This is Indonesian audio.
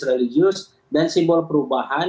religius dan simbol perubahan